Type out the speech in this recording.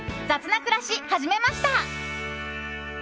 雑なくらしはじめました」。